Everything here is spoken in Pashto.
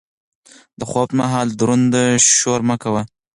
د خوب پر مهال دروند شور مه کوئ.